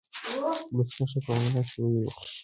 ولسمشر په یوه وینا کې ویلي وو چې عمري عدالت راولي.